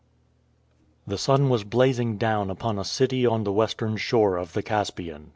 The sun was blazing down upon a city on the western shore of the Caspian.